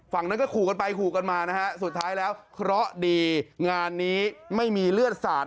ฝั่งนั้นก็ขู่กันไปขู่กันมานะฮะสุดท้ายแล้วเคราะห์ดีงานนี้ไม่มีเลือดสาด